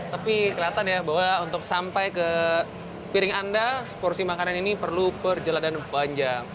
tapi kelihatan ya bahwa untuk sampai ke piring anda seporsi makanan ini perlu perjalanan panjang